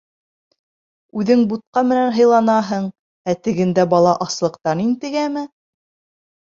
-Үҙең бутҡа менән һыйланаһың, ә тегендә бала аслыҡтан интегәме?